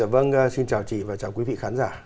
vâng xin chào chị và quý vị khán giả